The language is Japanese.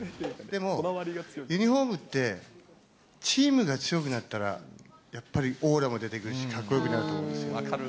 でもユニホームって、チームが強くなったら、やっぱりオーラも出てくるし、かっこよくなると思うんです。